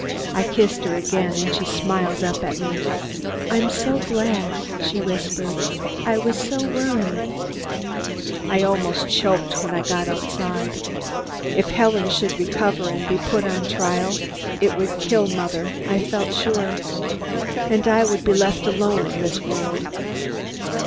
I kissed her again, and she smiled up at me. "I'm so glad," she whispered. "I was worried." I almost choked when I got outside. If Helen should recover and be put on trial, it would kill mother, I felt sure. And I would be left alone in the world.